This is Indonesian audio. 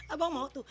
abang mau tuh